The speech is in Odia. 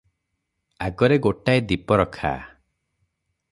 ଆଗରେ ଗୋଟାଏ ଦୀପରଖା ।